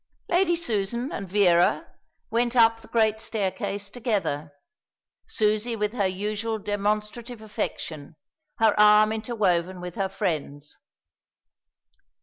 Lady Susan and Vera went up the great staircase together, Susie with her usual demonstrative affection, her arm interwoven with her friend's.